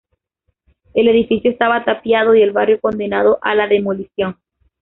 El edificio estaba tapiado y el barrio condenado a la demolición.